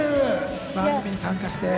番組に参加して。